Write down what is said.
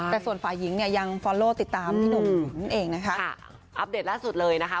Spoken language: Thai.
แต่ส่วนฝ่ายหญิงเนี่ยยังฟอลโลติดตามพี่หนุ่มนั่นเองนะคะอัปเดตล่าสุดเลยนะคะ